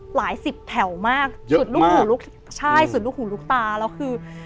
หลายสิบแถวมากเยอะมากสุดลูกหูลูกใช่สุดลูกหูลูกตาแล้วคือ